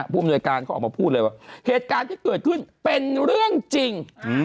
ผู้อำนวยการเขาออกมาพูดเลยว่าเหตุการณ์ที่เกิดขึ้นเป็นเรื่องจริง